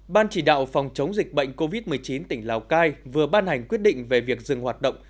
ban chỉ đạo phòng chống dịch bệnh covid một mươi chín tỉnh lào cai vừa ban hành quyết định về việc dừng hoạt động